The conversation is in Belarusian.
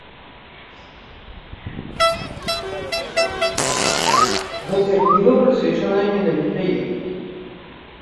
Гэтая кніга прысвечаная менавіта ім.